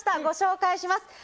ご紹介します。